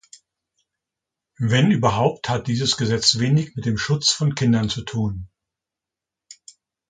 Wenn überhaupt, hat dieses Gesetz wenig mit dem Schutz von Kindern zu tun.